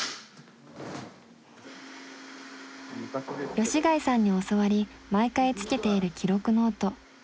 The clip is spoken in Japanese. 吉開さんに教わり毎回つけている記録ノート。